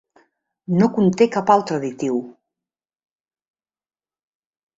No conté cap altre additiu.